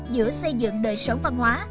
giữa xây dựng đời sống văn hóa